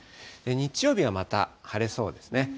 日曜日はまた晴れそうですね。